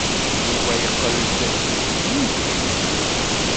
Yuba yeqqel-d dindin.